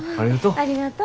ありがとう。